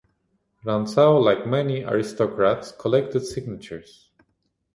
Rantzau like many aristocrats collected signatures.